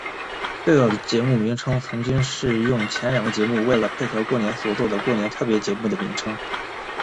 最早节目名称曾经是用前两个节目为了配合过年所做的过年特别节目的名称。